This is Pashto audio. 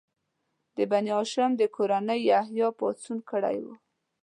د بني هاشم د کورنۍ یحیی پاڅون کړی و.